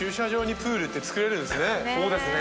そうですね。